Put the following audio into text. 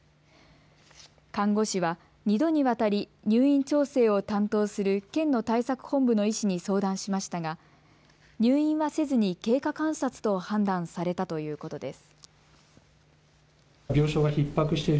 看護師は２度にわたり入院調整を担当する県の対策本部の医師に相談しましたが入院はせずに経過観察と判断されたということです。